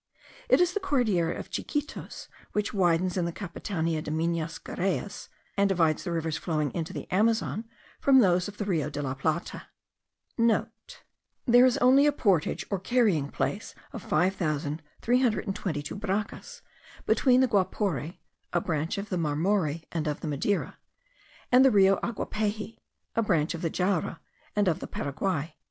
It is the Cordillera of Chiquitos which widens in the Capitania de Minas Geraes, and divides the rivers flowing into the Amazon from those of the Rio de la Plata,* (* There is only a portage or carrying place of 5322 bracas between the Guapore (a branch of the Marmore and of the Madeira), and the Rio Aguapehy (a branch of the Jaura and of the Paraguay).)